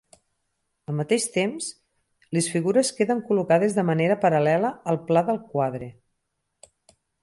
Al mateix temps, les figures queden col·locades de manera paral·lela al pla del quadre.